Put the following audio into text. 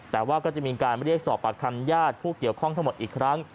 แต่ว่าก็จะมีการเรียกสอบปากคำญาติผู้เกี่ยวข้องทั้งหมดอีกครั้ง